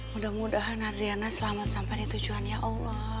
mudah mudahan adriana selamat sampai di tujuan ya allah